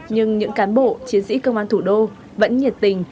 nhưng những cán bộ chiến sĩ công an thủ đô vẫn nhiệt tình